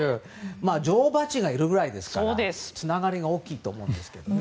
女王バチがいるぐらいですからつながりは大きいですよね。